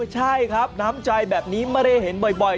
ใช่ครับน้ำใจแบบนี้ไม่ได้เห็นบ่อย